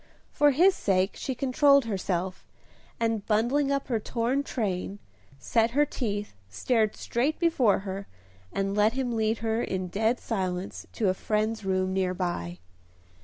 For his sake she controlled herself, and, bundling up her torn train, set her teeth, stared straight before her, and let him lead her in dead silence to a friend's room near by.